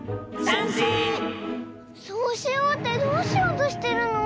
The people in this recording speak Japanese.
そうしようってどうしようとしてるの？